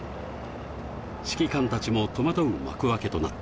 指揮官たちも戸惑う幕開けとなった。